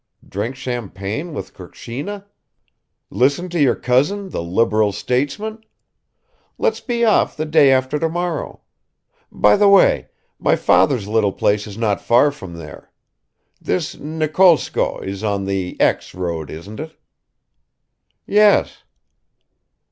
Drink champagne with Kukshina? Listen to your cousin, the liberal statesman? ... Let's be off the day after tomorrow. By the way my father's little place is not far from there. This Nikolskoe is on the X. road, isn't it?" "Yes."